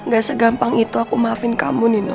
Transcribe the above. gak segampang itu aku maafin kamu nih no